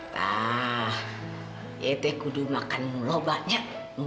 nah iya teh kudu makan mulu banyak